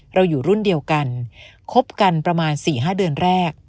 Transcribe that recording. อยู่รุ่นเดียวกันคบกันประมาณ๔๕เดือนแรก